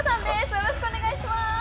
よろしくお願いします。